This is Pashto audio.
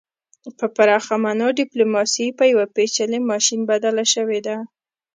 په پراخه مانا ډیپلوماسي په یو پیچلي ماشین بدله شوې ده